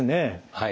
はい。